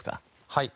はい。